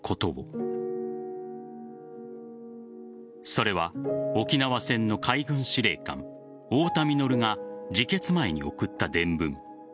それは、沖縄戦の海軍司令官大田実が自決前に送った電文。